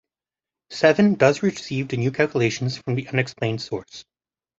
Seven does receive the new calculations from the unexplained source.